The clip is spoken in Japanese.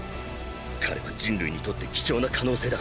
彼は人類にとって貴重な可能性だ。